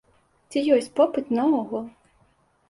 Ці ёсць попыт наогул?